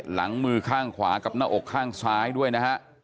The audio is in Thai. หลังมือข้างขวากับหน้าอกข้างซ้ายด้วยนะฮะ